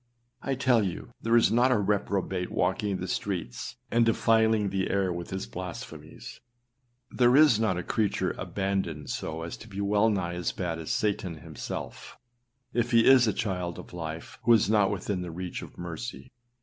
â I tell you there is not a reprobate walking the streets and defiling the air with his blasphemies, there is not a creature abandoned so as to be well nigh as bad as Satan himself, if he is a child of life, who is not within the reach of mercy.